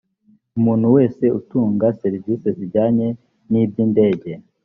umuntu wese utanga serivisi zijyanye n iby’indege